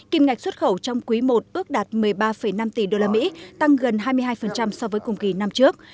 kim ngạch xuất khẩu trong quý i ước đạt một mươi ba năm tỷ usd tăng gần hai mươi hai so với cùng kỳ năm trước